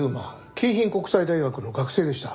京浜国際大学の学生でした。